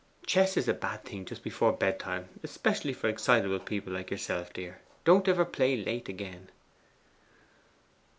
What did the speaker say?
'Chess is a bad thing just before bedtime; especially for excitable people like yourself, dear. Don't ever play late again.